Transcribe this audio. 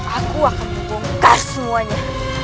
aku akan membongkar semuanya